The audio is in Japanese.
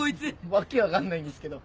訳分かんないんですけど。